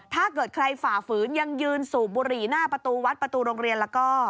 ถ้าเกิดใครฝ่าฝืนยังยืนสูบบุหรี่หน้าประตูวัดประตูโรงเรียนแล้วก็